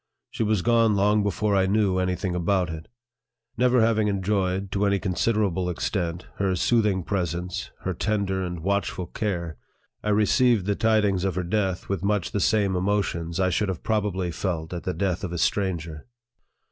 She was gone long before I knew any thing about it. Never having enjoyed, to any considerable extent, her soothing presence, her tender and watchful care, I re ceived the tidings of her death with much the same emotions I should have probably felt at the death of a stranger.